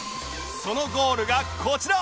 そのゴールがこちら！